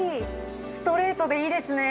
ストレートでいいですね。